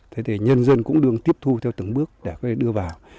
thế thì nhân dân cũng đương tiếp thu theo từng bước để có thể đưa vào